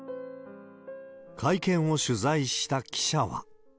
会見を取材した記者は。